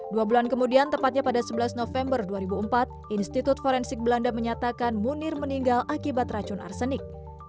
dua bulan kemudian tepatnya pada sebelas november dua ribu empat institut forensik belanda menyatakan munir meninggal akibat racun arsenik